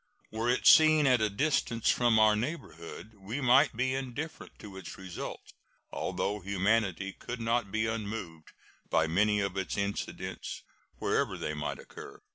Were its scene at a distance from our neighborhood, we might be indifferent to its result, although humanity could not be unmoved by many of its incidents wherever they might occur.